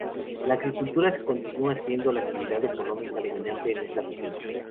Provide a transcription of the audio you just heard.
La agricultura continúa siendo la actividad económica dominante en esta región.